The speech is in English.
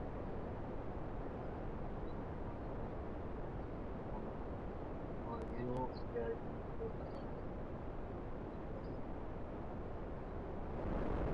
Mandarin, also known as the Northern dialects, is the largest of the Chinese languages.